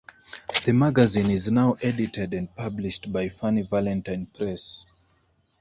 The magazine is now edited and published by Funny Valentine Press.